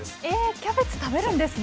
キャベツ食べるんですね。